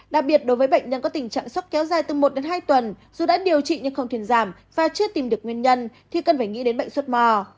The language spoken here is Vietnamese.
đặc biệt đối với bệnh nhân có tình trạng sốc kéo dài từ một đến hai tuần dù đã điều trị nhưng không thuyền giảm và chưa tìm được nguyên nhân thì cần phải nghĩ đến bệnh xuất mò